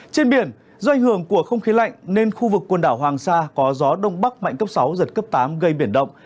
trên biển do ảnh hưởng của không khí lạnh nên khu vực quần đảo hoàng sa có gió đông bắc mạnh cấp sáu giật cấp tám gây biển động